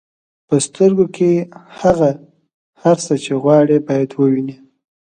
په سترګو کې هغه هر څه چې غواړئ باید ووینئ.